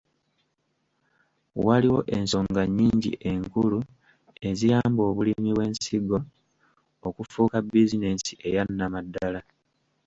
Waliwo ensonga nnyingi enkulu eziyamba obulimi bw’ensigo okufuuka bizinensi eya nnamaddala.